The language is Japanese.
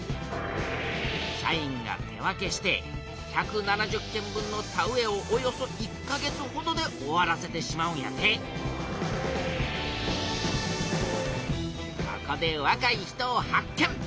社員が手分けして１７０軒分の田植えをおよそ１か月ほどで終わらせてしまうんやてここでわかい人を発見！